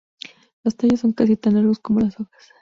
Los tallos son casi tan largo como las hojas.